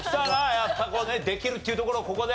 やっぱこうねできるっていうところをここで。